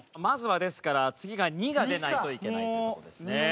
まずはですから次が２が出ないといけないという事ですね。